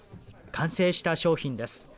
完成した商品です。